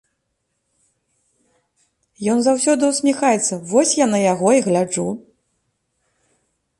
Ён заўсёды усміхаецца, вось я на яго і гляджу.